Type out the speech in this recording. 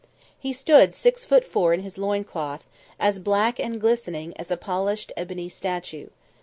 He stood six foot four in his loin cloth, as black and glistening as a polished ebony statue.